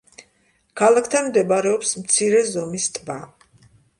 ქალაქთან მდებარეობს მცირე ზომის ტბა.